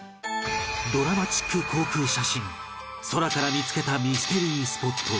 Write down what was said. ドラマチック航空写真空から見つけたミステリースポット